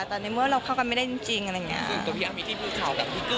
แต่ในเมื่อเราเข้ากันไม่ได้จริงอะไรอย่างนี้